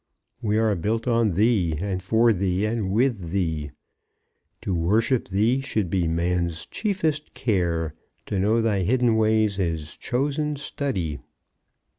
We are built on thee, and for thee, and with thee. To worship thee should be man's chiefest care, to know thy hidden ways his chosen study.